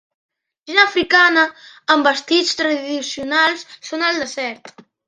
Gent africana amb vestits tradicionals són al desert.